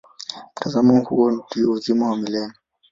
Mtazamo huo ndio uzima wa milele.